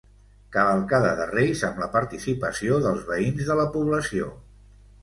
Cavalcada de reis amb la participació dels veïns de la població.